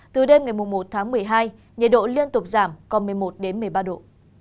từ đêm ngày một tháng một mươi hai nhiệt độ liên tục giảm còn một mươi một đến một mươi ba độ